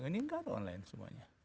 ini gak ada online semuanya